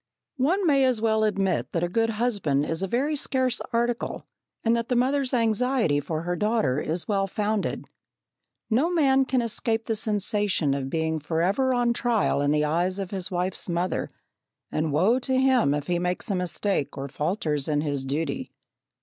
One may as well admit that a good husband is a very scarce article, and that the mother's anxiety for her daughter is well founded. No man can escape the sensation of being forever on trial in the eyes of his wife's mother, and woe to him if he makes a mistake or falters in his duty!